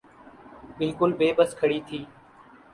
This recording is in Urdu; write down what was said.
بالکل بے بس کھڑی تھی۔